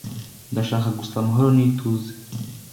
Ndashaka gusa amahoro n'ituze.